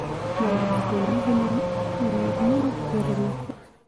موږ باید د ټولنیزو نورمونو پیروي وکړو.